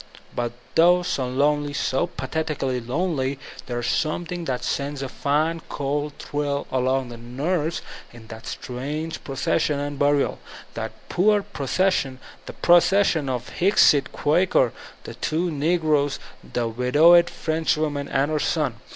But though so lonely, so pathetically lonely, there is scmiething that sends a fine, cold thrill along the nerves in that strange procession and burial — ^that poor procession, that pro cession of the Hicksite Quaker, the two negroes, the wid owed Frenchwoman and her son.